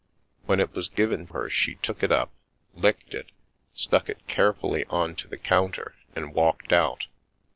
When it was given her she took it up, licked it, stuck it carefully on to the counter and walked out.